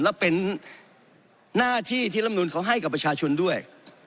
และเป็นหน้าที่ที่ลำนูนเขาให้กับประชาชนด้วย